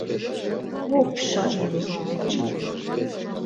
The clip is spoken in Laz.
Opşa ini on.